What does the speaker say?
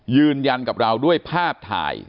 ยืนยันกับเราด้วยภาพถ่าย